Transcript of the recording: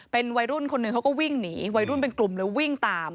เป็นวัยรุ่นคนหนึ่งเขาก็วิ่งหนีวัยรุ่นเป็นกลุ่มเลยวิ่งตาม